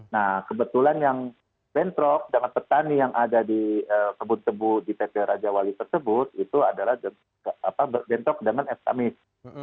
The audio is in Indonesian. nah kebetulan yang bentrok dengan petani yang ada di kebun kebu di pp raja wali tersebut itu adalah bentrok dengan estamis